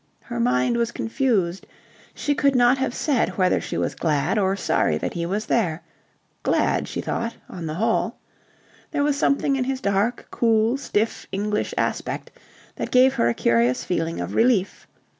Her mind was confused. She could not have said whether she was glad or sorry that he was there. Glad, she thought, on the whole. There was something in his dark, cool, stiff English aspect that gave her a curious feeling of relief.